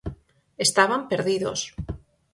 Estaban perdidos.